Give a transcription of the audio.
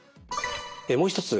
もう一つ